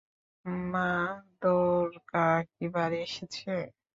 মা, দ্বোরকা কি বাড়ি এসেছে?